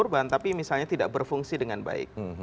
korban tapi misalnya tidak berfungsi dengan baik